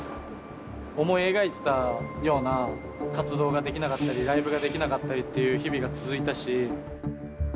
思い描いてたような活動ができなかったりライブができなかったりっていう日々が続いたし。